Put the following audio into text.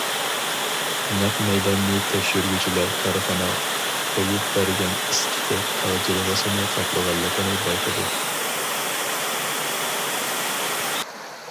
نەق مەيداننى تەكشۈرگۈچىلەر كارخانا قويۇپ بەرگەن ئىس- تۈتەك تاغ جىلغىسىنى قاپلىغانلىقىنى بايقىدى.